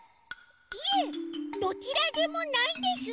いえどちらでもないです。